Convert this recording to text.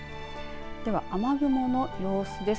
では雨雲の様子です。